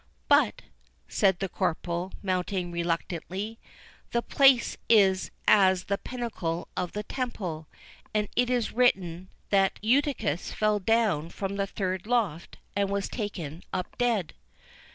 "But," said the corporal, mounting reluctantly, "the place is as the pinnacle of the Temple; and it is written, that Eutychus fell down from the third loft and was taken up dead."